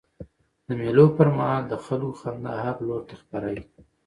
د مېلو پر مهال د خلکو خندا هر لور ته خپره يي.